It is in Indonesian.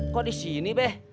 kok disini beh